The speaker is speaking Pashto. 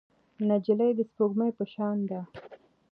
نجلۍ د سپوږمۍ په شان ده.